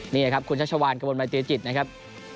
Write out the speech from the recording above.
นี่คุณชักชาวัลกบรรเจียจิตนะครับ